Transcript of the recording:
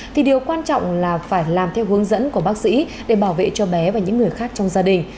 thì điều quan trọng là phải làm theo hướng dẫn của bác sĩ để bảo vệ cho bé và những người khác trong gia đình